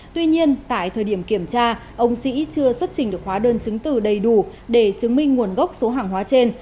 tuy nhiên tại thời điểm kiểm tra ông sĩ chưa xuất trình được hóa đơn chứng từ đầy đủ để chứng minh nguồn gốc số hàng hóa trên